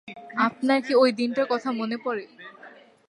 আপনার কি ঐ দিনটির কথা মনে পড়ে?